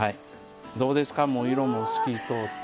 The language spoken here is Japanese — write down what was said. どうですかもう色も透き通って。